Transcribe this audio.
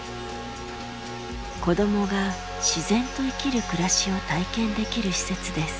子どもが自然と生きる暮らしを体験できる施設です。